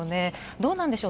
どうなんでしょう。